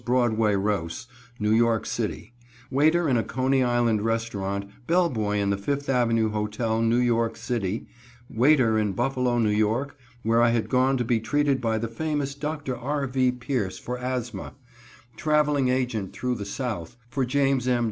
Broadway Rouss, New York City; waiter in a Coney Island restaurant; bell boy in the Fifth Avenue Hotel, New York City; waiter in Buffalo, N. Y., where I had gone to be treated by the famous Dr. R. V. Pierce for asthma; traveling agent through the South for Jas. M.